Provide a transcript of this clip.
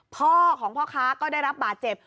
พ่อของพ่อค้าก็ได้รับบาดเจ็บ